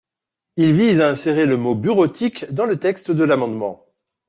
Il vise à insérer le mot « bureautique » dans le texte de l’amendement.